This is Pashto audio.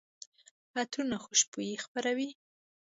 عطرونه خوشبويي خپروي.